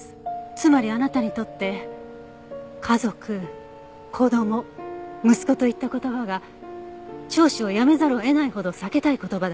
つまりあなたにとって「家族」「子供」「息子」といった言葉が聴取をやめざるを得ないほど避けたい言葉だったとしたら。